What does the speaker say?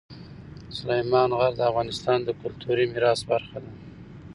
سلیمان غر د افغانستان د کلتوري میراث برخه ده.